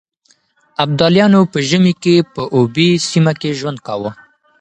ابدالیانو په ژمي کې په اوبې سيمه کې ژوند کاوه.